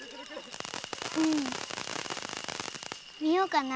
うん見ようかな。